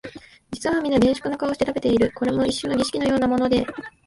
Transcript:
実にみな厳粛な顔をして食べている、これも一種の儀式のようなもので、